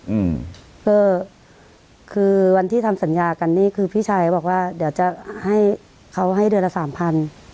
อืมก็คือวันที่ทำสัญญากันนี่คือพี่ชายบอกว่าเดี๋ยวจะให้เขาให้เดือนละสามพัน